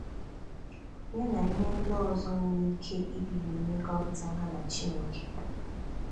ya na ihe ndị ọzọ nwere ike ibibì mmekọrịta ha na Chineke